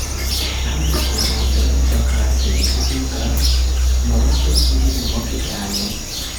hafi ku nkombe bakahazirika imbwa mu buryo iri bumoke cyane